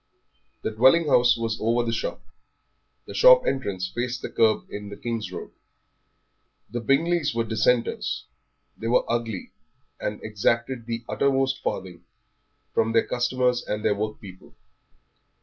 The dwelling house was over the shop; the shop entrance faced the kerb in the King's Road. The Bingleys were Dissenters. They were ugly, and exacted the uttermost farthing from their customers and their workpeople.